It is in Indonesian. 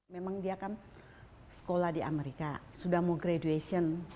memang dia kan sekolah di amerika sudah mau graduation